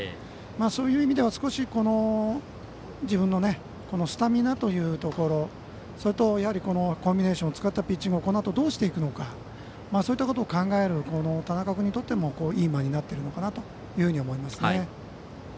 そういう意味では、少し自分のスタミナというところそれとコンビネーションを使ったピッチングをこのあとどうしていくのかそういったことを考える田中君にとっても、いい間になっているのかなと思います。